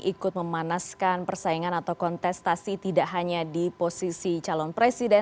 ikut memanaskan persaingan atau kontestasi tidak hanya di posisi calon presiden